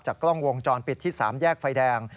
กล้องวงจรปิดที่๓แยกไฟแดง